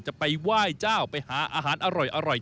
จะไปไหว้เจ้าไปหาอาหารอร่อย